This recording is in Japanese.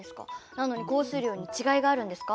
なのに降水量に違いがあるんですか？